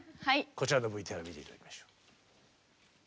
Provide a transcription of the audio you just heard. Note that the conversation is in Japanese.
こちらのＶＴＲ見ていきましょう。